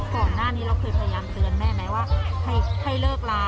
ก่อนหน้านี้เราเคยพยายามเตือนแม่ไหมว่าให้เลิกลา